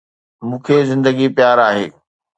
مون کي زندگي پيار آهي